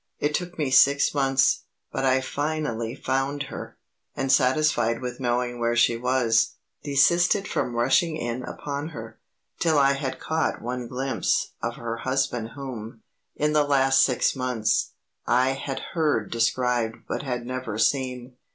It took me six months, but I finally found her, and satisfied with knowing where she was, desisted from rushing in upon her, till I had caught one glimpse of her husband whom, in the last six months, I had heard described but had never seen.